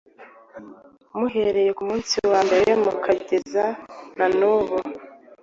muhereye ku munsi wa mbere, mukageza na n’ubu.”